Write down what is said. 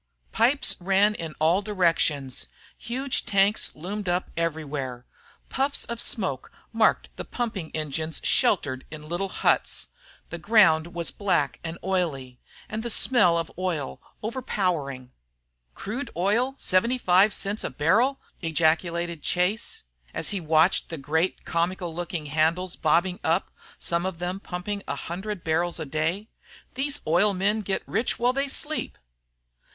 Pipes ran in all directions; huge tanks loomed up everywhere; puffs of smoke marked the pumping engines sheltered in little huts; the ground was black and oily, and the smell of oil overpowering. "Crude oil seventy cents a barrel!" ejaculated Chase, as he watched the great comical looking handles bobbing up, some of them pumping a hundred barrels a day. "These oil men get rich while they sleep!"